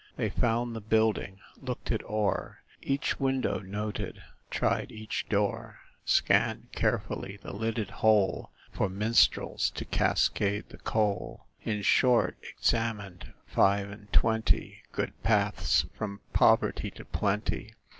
They found the building, looked it o'er, Each window noted, tried each door, Scanned carefully the lidded hole For minstrels to cascade the coal In short, examined five and twenty Good paths from poverty to plenty.